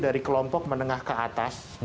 dari kelompok menengah ke atas